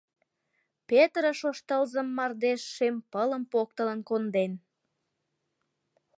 Петырыш ош тылзым — Мардеж шем пылым поктылын конден.